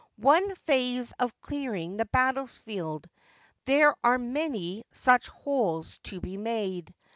One phase of clearing the battlefield ; there are many such holes to be made.